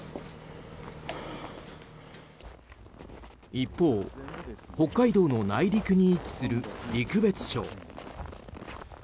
一方、北海道の内陸に位置する陸別町。